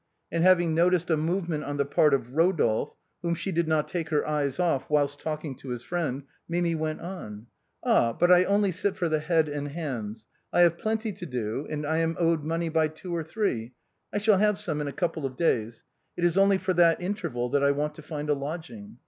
And having noticed a movement on the part of Eodolphe, whom she did not take her eyes off whilst talking to his friend, Mimi went on: "Ah! but I only sit for the head and hands. I have plenty to do, and I am owed money by two or three, I shall have some in a couple of days, it is only for that interval that I want to find a lodging.